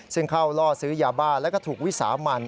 ซึ่งเข้าล่อซื้อยาบ้าแล้วก็ถูกวิสามัน